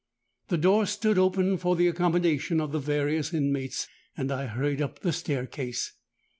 The door stood open for the accommodation of the various inmates; and I hurried up the staircase.